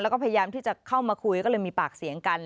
แล้วก็พยายามที่จะเข้ามาคุยก็เลยมีปากเสียงกัน